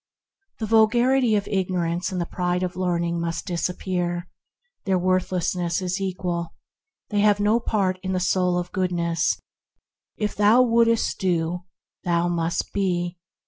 The vulgarity of ignorance and the pride of learning must disappear. Their worth lessness is equal. They have no part in the Soul of Goodness. If thou wouldst do, thou must be.